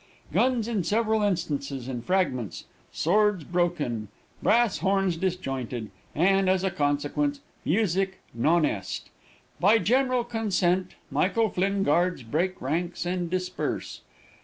Guns in several instances in fragments; swords broken; brass horns disjointed, and, as a consequence, music non est. By general consent, Michael Flinn Guards break ranks and disperse.